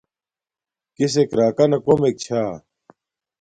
کسک راکانا کومک چھا